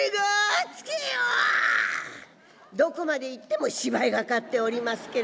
どこまで行っても芝居がかっておりますけれども。